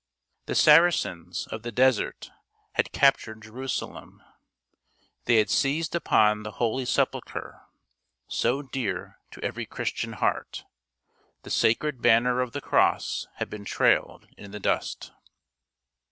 The Saracens of the desert had captured Jerusalem; they had seized upon the Holy Sepulcher, so dear to every Christian heart ; the sacred banner of the cross had been trailed in the dust.